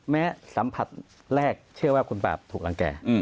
แม้สัมผัสแรกเชื่อว่าคุณปาบรับตามถูกหลังแก่